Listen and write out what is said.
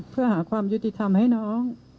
เพื่อหาความยุติธรรมให้น้อง